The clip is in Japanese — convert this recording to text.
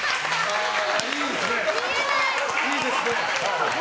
いいですね。